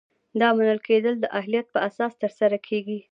دا منل کیدل د اهلیت په اساس ترسره کیږي.